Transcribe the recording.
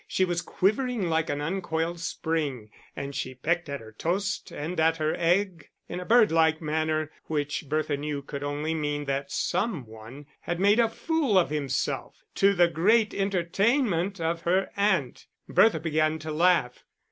She was quivering like an uncoiled spring; and she pecked at her toast and at her egg in a birdlike manner, which Bertha knew could only mean that some one had made a fool of himself, to the great entertainment of her aunt. Bertha began to laugh.